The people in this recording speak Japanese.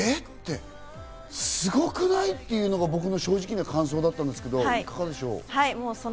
って、すごくない？っていうのが僕の正直な感想だったんですけど、いかがでしょう？